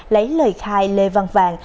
lấy lời khai lê văn vàng